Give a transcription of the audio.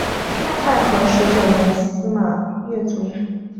太和十九年司马跃卒。